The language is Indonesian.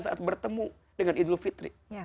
saat bertemu dengan idul fitri